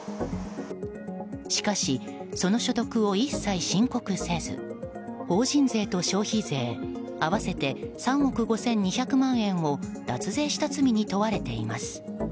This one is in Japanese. しかし、その所得を一切申告せず法人税と消費税合わせて３億５２００万円を脱税した罪に問われています。